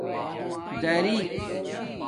دَادِئ